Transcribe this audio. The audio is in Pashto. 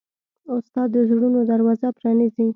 استاد د زړونو دروازه پرانیزي.